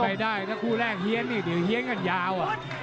ไม่ได้ถ้าคู่แรกเฮียนนี่เดี๋ยวเฮียนกันยาว